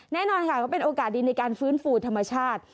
แน่นอนค่ะก็เป็นโอกาสดีในการฟื้นฟูธรรมชาติ